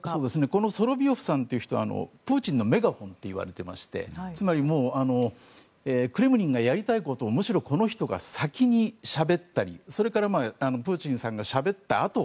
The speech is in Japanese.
このソロビヨフさんという人はプーチンのメガホンといわれていましてつまりクレムリンがやりたいことをむしろこの人が先にしゃべったりそれからプーチンさんがしゃべったあと